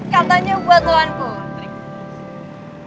yang pake gini lho